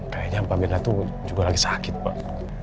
kayaknya pak mirna itu juga lagi sakit pak